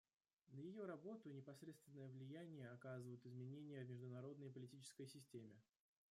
На ее работу непосредственное влияние оказывают изменения в международной политической системе.